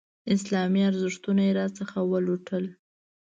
اسلامي ارزښتونه یې راڅخه ولوټل.